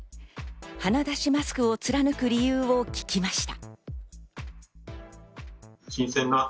鼻出しマスクを貫く理由を聞きました。